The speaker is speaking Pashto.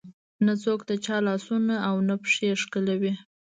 نه څوک د چا لاسونه او نه پښې ښکلوي.